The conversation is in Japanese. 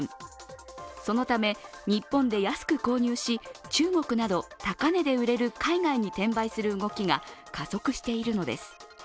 そのため、日本で安く購入し中国など高値で売れる海外に転売する動きが加速しているのです。